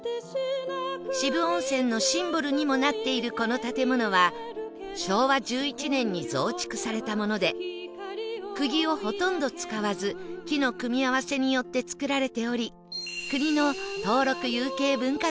渋温泉のシンボルにもなっているこの建物は昭和１１年に造築されたもので釘をほとんど使わず木の組み合わせによって造られており